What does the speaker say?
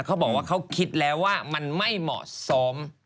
เขาบอกว่าเขาคิดแล้วว่ามันไม่เหมาะสม